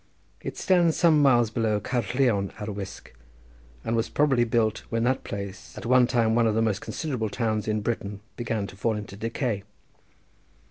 It stands some miles below Caerlleon ar Wysg, and was probably built when that place, at one time one of the most considerable towns in Britain, began to fall into decay.